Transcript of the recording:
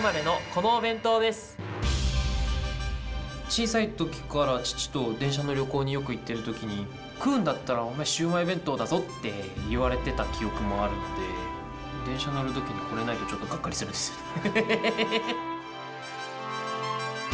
小さい時から父と電車の旅行によく行っている時に食うんだったらシウマイ弁当だぞって言われていた記憶もあるので電車乗る時に、これがないとがっかりするんですよね。